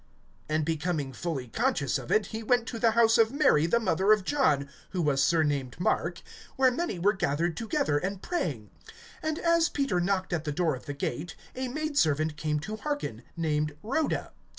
(12)And becoming fully conscious of it, he went to the house of Mary the mother of John, who was surnamed Mark, where many were gathered together, and praying. (13)And as Peter knocked at the door of the gate, a maidservant came to hearken, named Rhoda.